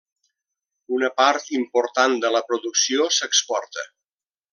Una part important de la producció s'exporta.